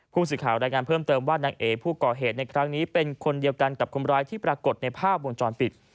ผู้สื่อข่าวรายงานเพิ่มเติมว่านางเอผู้ก่อเหตุในครั้งนี้เป็นคนเดียวกันกับคนร้ายที่ปรากฏในภาพวงจรปิด